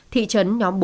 thị trấn nhóm bốn